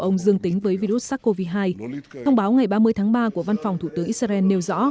ông dương tính với virus sars cov hai thông báo ngày ba mươi tháng ba của văn phòng thủ tướng israel nêu rõ